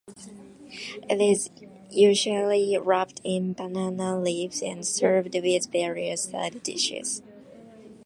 It is usually wrapped in banana leaves and served with various side dishes.